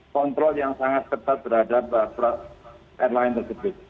kontrol yang sangat ketat terhadap surat airline tersebut